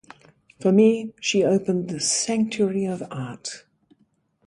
For me she opened the sanctuary of art.